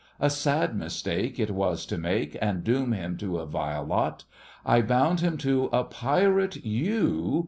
A sad mistake it was to make and doom him to a vile lot. I bound him to a pirate — you!